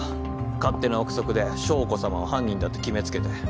勝手な臆測で将子さまを犯人だと決め付けて。